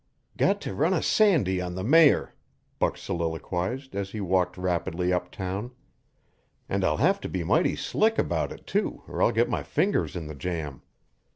"Got to run a sandy on the Mayor," Buck soliloquized as he walked rapidly uptown. "And I'll have to be mighty slick about it, too, or I'll get my fingers in the jam.